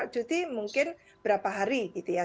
cuti mungkin berapa hari gitu ya